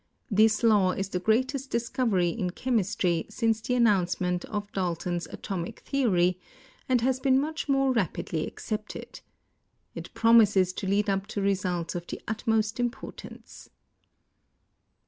This law is the greatest discovery in chem istry since the announcement of Dalton's atomic theory, and has been much more rapidly accepted. It promises to lead up to results of the utmost importance.